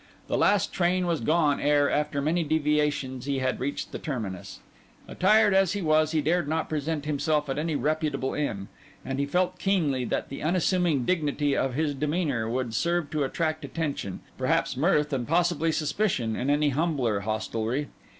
The last train was gone ere, after many deviations, he had reached the terminus. Attired as he was he dared not present himself at any reputable inn; and he felt keenly that the unassuming dignity of his demeanour would serve to attract attention, perhaps mirth and possibly suspicion, in any humbler hostelry.